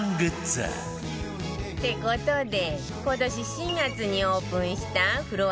って事で今年４月にオープンしたフロア